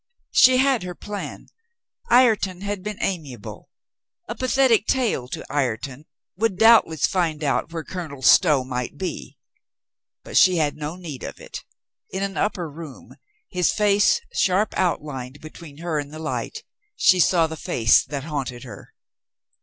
She had her plan. Ireton had been amiable. A pathetic tale to Ireton would doubtless find out where Colonel Stow might be. But she had no need of it In an upper room, his face sharp outlined be tween her and the light, she saw the face that haunted her.